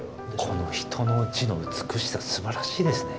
この人の字の美しさすばらしいですね。